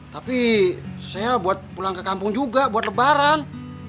tapi saya buat pulang ke kampung juga buat lebaran